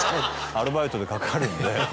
アルバイトでかかるんで。